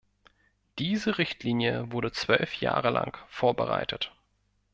Diese Richtlinie wurde zwölf Jahre lang vorbereitet.